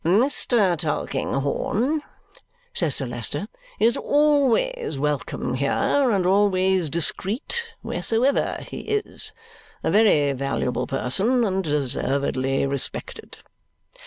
"Mr. Tulkinghorn," says Sir Leicester, "is always welcome here and always discreet wheresoever he is. A very valuable person, and deservedly respected."